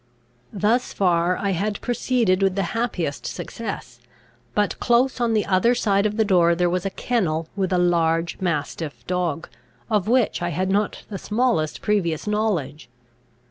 Thus far I had proceeded with the happiest success; but close on the other side of the door there was a kennel with a large mastiff dog, of which I had not the smallest previous knowledge.